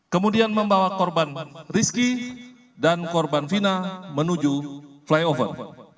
kemudian membawa korban rizky dan korban fina menuju flyover